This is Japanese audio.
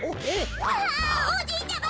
あおじいちゃま！